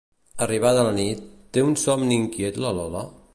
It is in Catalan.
Arribada la nit, té un somni inquiet la Lola?